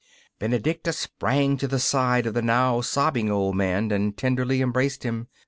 Benedicta sprang to the side of the now sobbing old man and tenderly embraced him.